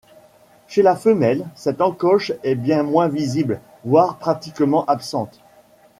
Chez la femelle, cette encoche est bien moins visible, voire pratiquement absente.